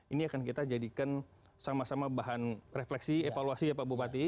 ini akan kita jadikan sama sama bahan refleksi evaluasi ya pak bupati